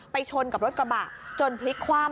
ชนกับรถกระบะจนพลิกคว่ำ